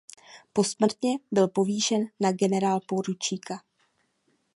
Posmrtně byl povýšen na generálporučíka.